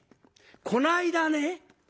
こないだね